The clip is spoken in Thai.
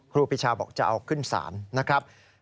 ครูปีชาบอกจะเอาขึ้นศาลนะครับ